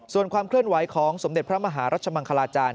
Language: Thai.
ส่วนความเคลื่อนไหวของสมเด็จพระมหารัชมังคลาจารย